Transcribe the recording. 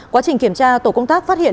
quá trình kiểm tra tổ công tác phát hiện